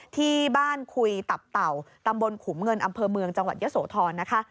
ที่บ้านคุยตับเต่าตำบลขุมเงินอำเภอเมืองจังหวัดยะโสธรนะคะ